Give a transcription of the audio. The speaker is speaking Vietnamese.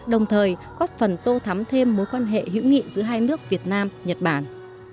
đồng thời góp phần tô thắm thêm mối quan hệ hữu nghị giữa hai nước việt nam nhật bản